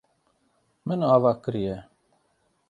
Min ava kiriye.